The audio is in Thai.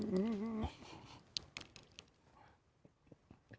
อือ